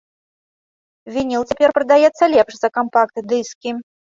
Вініл цяпер прадаецца лепш за кампакт-дыскі.